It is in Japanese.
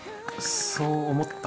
そう思った？